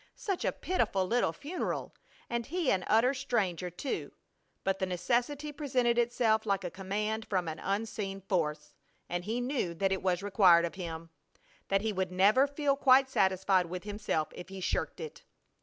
Such a pitiful little funeral, and he an utter stranger, too! But the necessity presented itself like a command from an unseen force, and he knew that it was required of him that he would never feel quite satisfied with himself if he shirked it.